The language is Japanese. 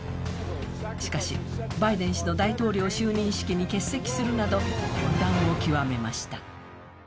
しかしバイデン氏の大統領就任式に欠席するなど混乱を極めました。